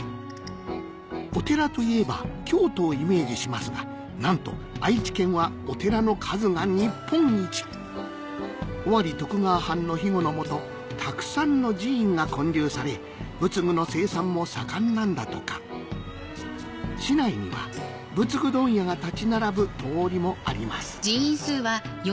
お寺といえば京都をイメージしますがなんと愛知県はお寺の数が日本一尾張徳川藩の庇護の下たくさんの寺院が建立され仏具の生産も盛んなんだとか市内には仏具問屋が立ち並ぶ通りもあります